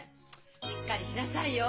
しっかりしなさいよ。